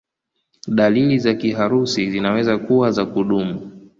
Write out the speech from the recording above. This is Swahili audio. Dalili za kiharusi zinaweza kuwa za kudumu.